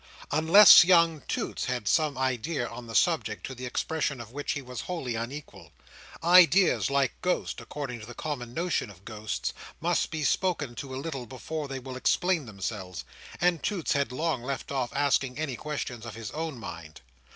Unless young Toots had some idea on the subject, to the expression of which he was wholly unequal. Ideas, like ghosts (according to the common notion of ghosts), must be spoken to a little before they will explain themselves; and Toots had long left off asking any questions of his own mind.